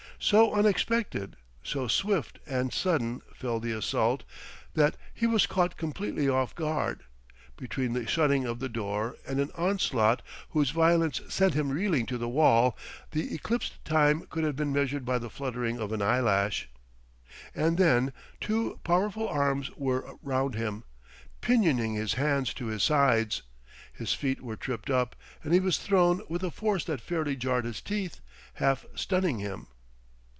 So unexpected, so swift and sudden fell the assault, that he was caught completely off guard: between the shutting of the door and an onslaught whose violence sent him reeling to the wall, the elapsed time could have been measured by the fluttering of an eyelash. And then two powerful arms were round him, pinioning his hands to his sides, his feet were tripped up, and he was thrown with a force that fairly jarred his teeth, half stunning him.